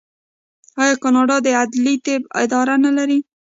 آیا کاناډا د عدلي طب اداره نلري؟